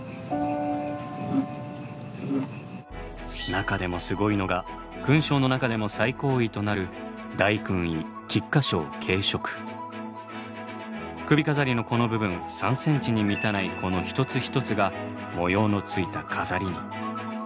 中でもすごいのが勲章の中でも最高位となる首飾りのこの部分３ｃｍに満たないこの一つ一つが模様のついた飾りに。